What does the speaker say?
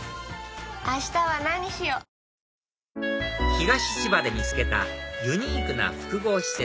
東千葉で見つけたユニークな複合施設